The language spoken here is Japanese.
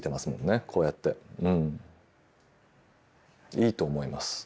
いいと思います。